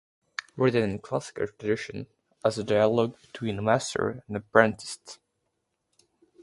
Written in classical tradition as a dialogue between a master and an apprentice.